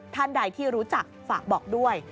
ท่านใดที่รู้จักฝากบอกด้วย